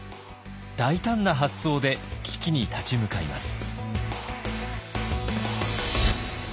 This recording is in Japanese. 大胆な発想で危機に立ち向かいます。